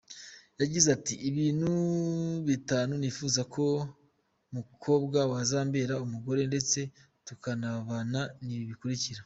Yagize ati “Ibintu bitanu nifuza ku mukobwa wazambera umugore ndetse tukanabana, ni ibi bikurikira:".